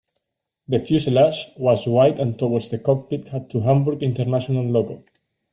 The fuselage was white and towards the cockpit had to Hamburg International logo.